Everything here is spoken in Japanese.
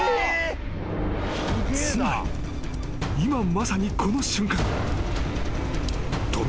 ［つまり今まさにこの瞬間止め